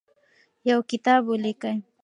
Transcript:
یو کتاب ولیکئ.